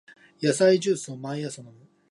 野菜ジュースを毎朝飲む